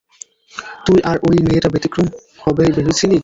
তুই আর অই মেয়েটা ব্যতিক্রম হবে ভেবেছিলি?